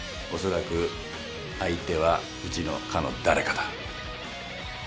おそらく相手はうちの課の誰かだ。